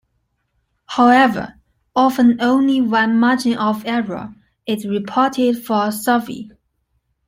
However, often only one margin of error is reported for a survey.